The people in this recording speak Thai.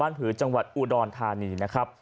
บ้านพืชจังหวะอูดรห์นทานี